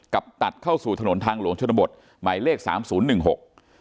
ตัดเข้าสู่ถนนทางหลวงชนบทหมายเลขสามศูนย์หนึ่งหก